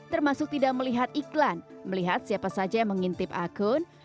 termasuk tidak melihat iklan melihat siapa saja yang mengintip akun